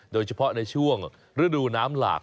โดยเฉพาะในช่วงฤดูน้ำหลาก